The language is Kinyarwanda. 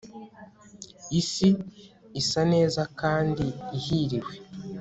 Isi isa neza kandi ihiriwe